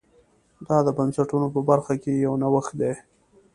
دا د بنسټونو په برخه کې یو نوښت دی